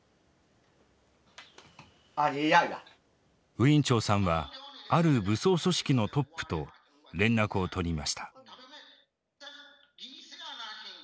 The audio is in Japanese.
ウィン・チョウさんはある武装組織のトップと連絡を取りました。